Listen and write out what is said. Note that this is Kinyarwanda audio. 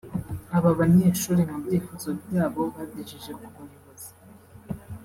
Aba banyeshuri mu byifuzo byabo bagejeje ku bayobozi